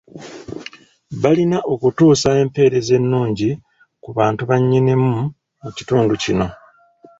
Balina okutuusa empeereza ennungi ku bantu ba Nnyinimu mu kitundu kino.